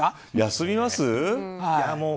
休みます。